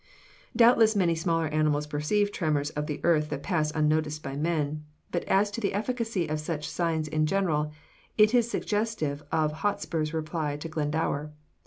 Doubtless many smaller animals perceive tremors of the earth that pass unnoticed by men; but as to the efficacy of such signs in general, it is suggestive of Hotspur's reply to Glendower.